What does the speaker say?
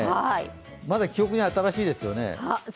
まだ記憶に新しいですよね